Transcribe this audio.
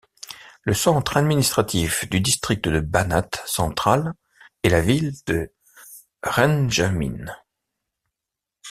Le centre administratif du district du Banat central est la ville de Zrenjanin.